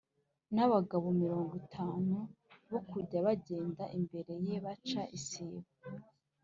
n’abagabo mirongo itanu bo kujya bagenda imbere ye, baca isibo.